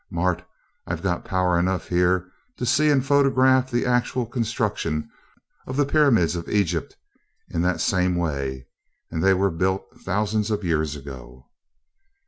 Mart, I've got power enough here to see and to photograph the actual construction of the pyramids of Egypt in that same way and they were built thousands of years ago!"